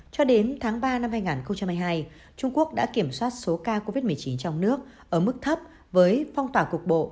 cho đến tháng ba năm hai nghìn hai mươi hai trung quốc đã kiểm soát số ca covid một mươi chín trong nước ở mức thấp với phong tỏa cục bộ